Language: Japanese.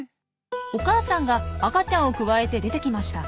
お母さんが赤ちゃんをくわえて出てきました。